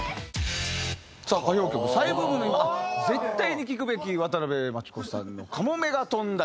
さあ歌謡曲再ブームの今絶対に聴くべき渡辺真知子さんの『かもめが翔んだ日』